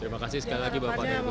terima kasih sekali lagi bapak